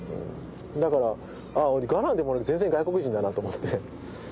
だから俺ガーナでも全然外国人だなと思って。